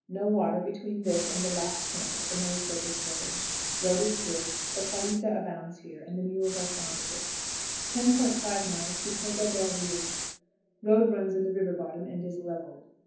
No water between this and the last camp at the Maricopas' village. Road is good. The calita abounds here, and the mules are fond of it. 10.50. Pega del Rio. Road runs in the river bottom, and is level.